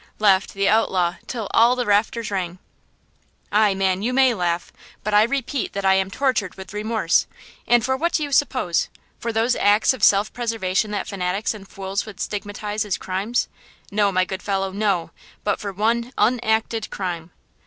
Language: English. laughed the outlaw till all the rafters rang. "Aye, man, you may laugh; but I repeat that I am tortured with remorse! And for what do you suppose? For those acts of self preservation that fanatics and fools would stigmatize as crimes? No, my good fellow, no! but for one 'unacted crime!